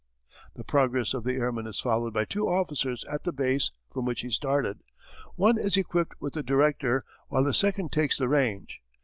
The progress of the airman is followed by two officers at the base from which he started. One is equipped with the director, while the second takes the range.